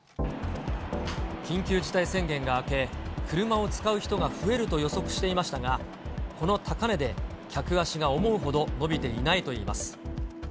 緊急事態宣言が明け、車を使う人が増えると予測していましたが、この高値で、客足が思うほど伸びていないといいます。